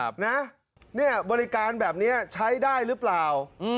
บริการแบบนี้ใช้ได้หรือเปล่า